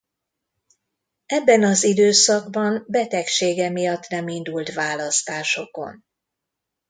Ebben az időszakban betegsége miatt nem indult választásokon.